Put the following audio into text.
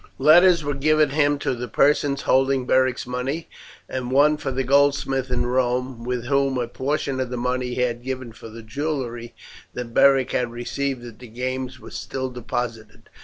Letters were given him to the persons holding Beric's money; and one for the goldsmith in Rome, with whom a portion of the money he had given for the jewellery that Beric had received at the games was still deposited.